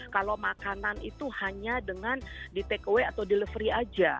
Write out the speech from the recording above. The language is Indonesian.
kalau makanan itu hanya dengan di take away atau delivery saja